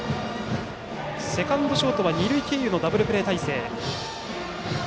セカンド、ショートは二塁経由のダブルプレー態勢。